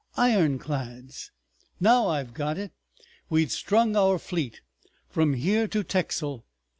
"Ironclads!" "Now I've got it! We'd strung our fleet from here to Texel.